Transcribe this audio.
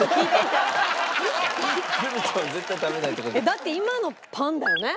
だって今のパンだよね？